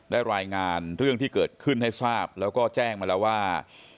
รายงานเรื่องที่เกิดขึ้นให้ทราบแล้วก็แจ้งมาแล้วว่า